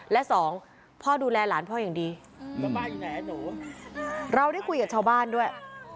และสองพ่อดูแลหลานพ่ออย่างดีเราได้คุยกับชาวบ้านด้วย